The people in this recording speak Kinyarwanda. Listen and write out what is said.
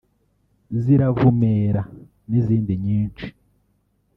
‘Ziravumera’ n’izindi nyinshi